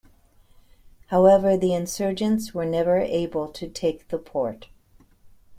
However, the insurgents were never able to take the port.